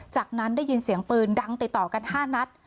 จากนั้นได้ยินเสียงปืนดังติดต่อกัน๕นัด